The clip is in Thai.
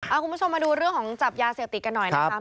เอาคุณผู้ชมมาดูเรื่องของจับยาเสพติดกันหน่อยนะครับ